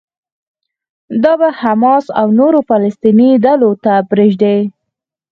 دا به حماس او نورو فلسطيني ډلو ته پرېږدي.